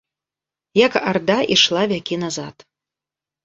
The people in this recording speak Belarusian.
Як арда ішла вякі назад.